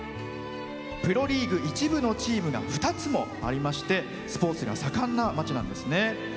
プロリーグ１部のチームが２つもありましてスポーツが盛んな街なんですね。